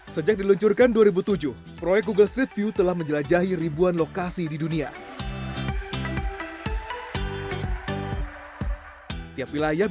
sejak diluncurkan dua ribu tujuh proyek google street view telah menjelajahi ribuan lokasi di dunia